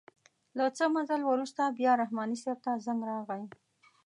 له څه مزل وروسته بیا رحماني صیب ته زنګ راغئ.